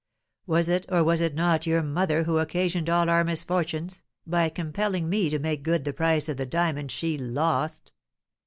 "Was it or was it not your mother who occasioned all our misfortunes, by compelling me to make good the price of the diamond she lost?